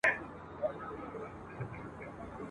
دا اوږدې شپې مي کړې لنډي زما په خپل آذان سهار کې ..